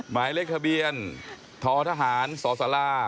หมายเลขทะเบียนททหารสศ